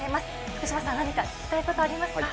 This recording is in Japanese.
福島さん、なにか聞きたいことはありますか？